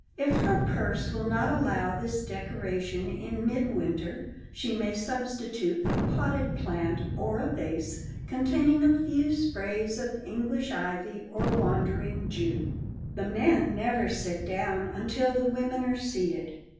If her purse will not allow this decoration in midwinter she may substitute a potted plant or a vase containing a few sprays of English ivy, or wandering jew. The men never sit down until the women are seated.